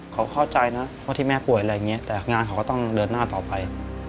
เขาเข้าใจนะว่าที่แม่ป่วยอะไรอย่างนี้แต่งานเขาก็ต้องเดินหน้าต่อไป